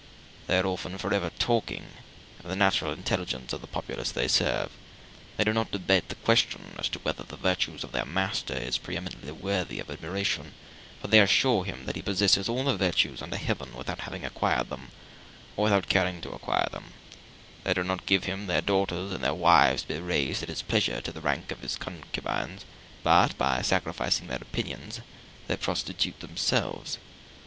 They are forever talking of the natural intelligence of the populace they serve; they do not debate the question as to which of the virtues of their master is pre eminently worthy of admiration, for they assure him that he possesses all the virtues under heaven without having acquired them, or without caring to acquire them; they do not give him their daughters and their wives to be raised at his pleasure to the rank of his concubines, but, by sacrificing their opinions, they prostitute themselves.